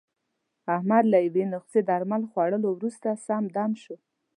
احمد له یوې نسخې درمل خوړلو ورسته، سم دم شو.